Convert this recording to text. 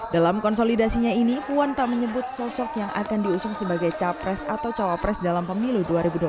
dalam konsolidasinya ini puan tak menyebut sosok yang akan diusung sebagai capres atau cawapres dalam pemilu dua ribu dua puluh